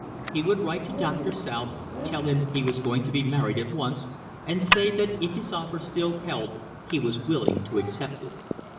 He would write to Doctor South, tell him he was going to be married at once, and say that if his offer still held he was willing to accept it.